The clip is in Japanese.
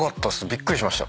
びっくりしました。